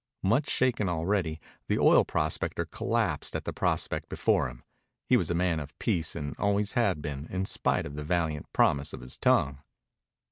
Much shaken already, the oil prospector collapsed at the prospect before him. He was a man of peace and always had been, in spite of the valiant promise of his tongue.